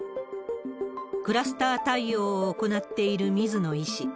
クラスター対応を行っている水野医師。